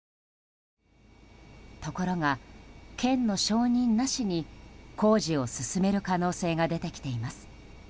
ところが県の承認なしに工事を進める可能性が出てきています。